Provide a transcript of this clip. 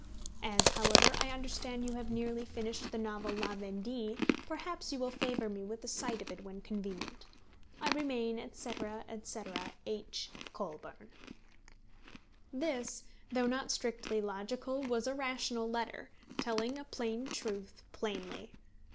As, however, I understand you have nearly finished the novel La Vendée, perhaps you will favour me with a sight of it when convenient. I remain, &c. &c. H. COLBURN. This, though not strictly logical, was a rational letter, telling a plain truth plainly.